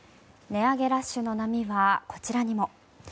値上げラッシュの波はこちらにも。